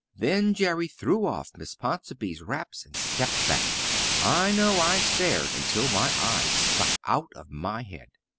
Then Jerry threw off Miss Ponsonby's wraps and stepped back. I know I stared until my eyes stuck out of my head.